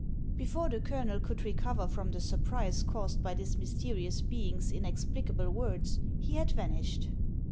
Before the colonel could recover from the surprise caused by this mysterious being's inexplicable words, he had vanished.